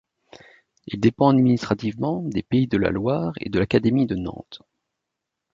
Il dépend administrativement des Pays de la Loire et de l'Académie de Nantes.